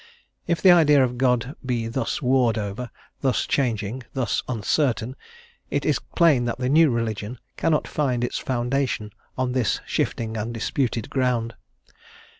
If the idea of God be thus warred over, thus changing, thus uncertain, it is plain that the new religion cannot find its foundation on this shifting and disputed ground.